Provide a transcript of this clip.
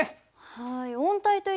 はい。